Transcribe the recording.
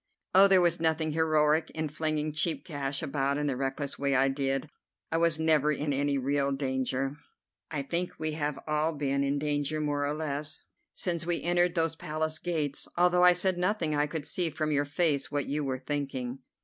"Oh, there was nothing heroic in flinging cheap cash about in the reckless way I did. I was never in any real danger." "I think we have all been in danger, more or less, since we entered those Palace gates. Although I said nothing I could see from your face what you were thinking."